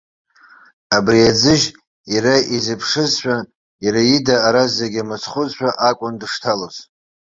Абри аӡыжь иара изыԥшызшәа, иара ида ара зегьы мыцхәызшәа акәын дышҭалоз.